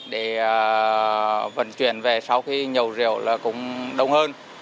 để vận chuyển về sau khi nhầu rượu là cũng đông hơn